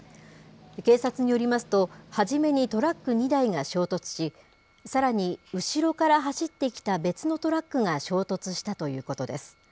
警察によりますと、初めにトラック２台が衝突し、さらに後ろから走ってきた別のトラックが衝突したということです。